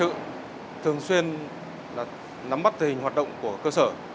chúng tôi thường xuyên là nắm bắt hình hoạt động của cơ sở